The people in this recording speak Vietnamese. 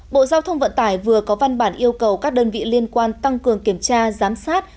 bộ giao thông vận tải vừa có văn bản yêu cầu các đơn vị liên quan tăng cường kiểm tra giám sát